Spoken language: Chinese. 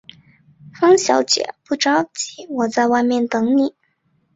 方小姐，不着急，我在外面等妳。